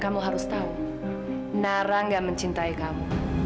kamu harus tahu nara gak mencintai kamu